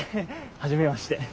はじめまして。